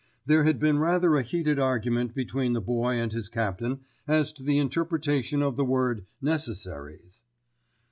There had been rather a heated argument between the Boy and his captain as to the interpretation of the word "necessaries."